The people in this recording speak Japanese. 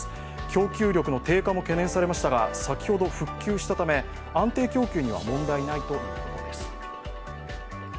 供給力の低下も懸念されましたが、先ほど復旧したため、安定供給には問題ないということです。